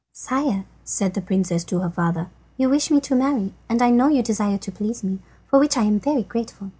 "Sire," said the princess to her father, "you wish me to marry, and I know you desire to please me, for which I am very grateful.